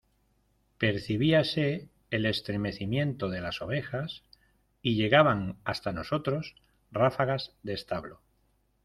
percibíase el estremecimiento de las ovejas, y llegaban hasta nosotros ráfagas de establo